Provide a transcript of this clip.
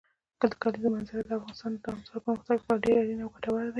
د کلیزو منظره د افغانستان د دوامداره پرمختګ لپاره ډېر اړین او ګټور دی.